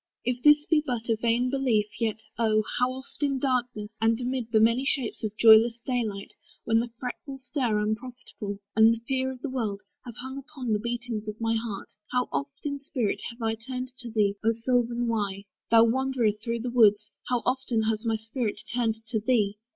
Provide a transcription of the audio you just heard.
If this Be but a vain belief, yet, oh! how oft, In darkness, and amid the many shapes Of joyless day light; when the fretful stir Unprofitable, and the fever of the world, Have hung upon the beatings of my heart, How oft, in spirit, have I turned to thee O sylvan Wye! Thou wanderer through the woods, How often has my spirit turned to thee!